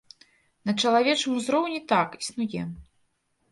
На чалавечым узроўні так, існуе.